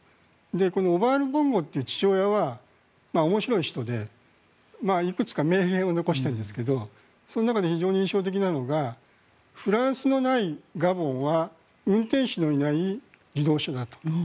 このオマール・ボンゴという父親は面白い人でいくつか名言を残しているんですがその中で非常に印象的なんですがフランスのないガボンは運転手のいない自動車だと。